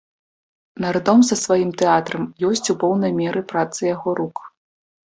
Нардом са сваім тэатрам ёсць у поўнай меры праца яго рук.